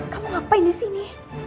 kamu ngapain disini